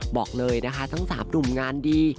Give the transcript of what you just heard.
บอกเลยนะคะทั้ง๓หนุ่มงานดี